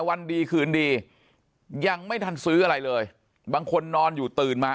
วันดีคืนดียังไม่ทันซื้ออะไรเลยบางคนนอนอยู่ตื่นมา